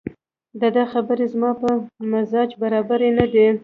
دده خبرې زما په مزاج برابرې نه دي